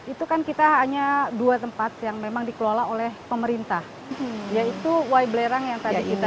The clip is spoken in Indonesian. itu kan kita hanya dua tempat yang memang dikelola oleh pemerintah yaitu wai belerang yang tadi kita